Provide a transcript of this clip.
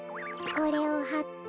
これをはって。